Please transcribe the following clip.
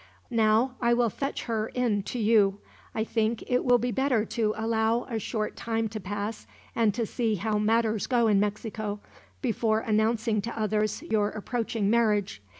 "Now I will fetch her in to you. I think it will be better to allow a short time to pass, and to see how matters go in Mexico, before announcing to others your approaching marriage.